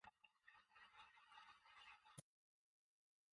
His will mentions his farm and livestock at the Mains of North Berwick.